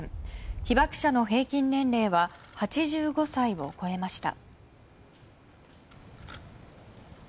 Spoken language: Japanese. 被爆者の平均年齢は８５歳を超えました。